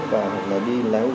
và hoặc là đi lái ô tô